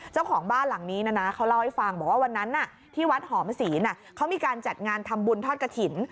เจ้าของบ้านหลังนี้นะนะเขาเล่าให้ฟังบอกว่าวันนั้นที่วัดหอมศีลเขามีการจัดงานทำบุญทอดกระถิ่น